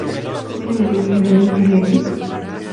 Era la hermana mayor de Marla Gibbs.